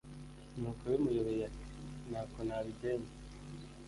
ni uko bimuyobeye ati" ntako nabigenza